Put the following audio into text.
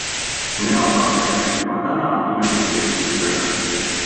Näosaade jätkab juba täna imeliste esitustega!